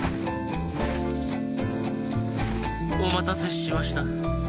おまたせしました。